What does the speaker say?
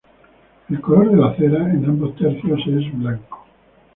El color de la cera en ambos tercios es blanco.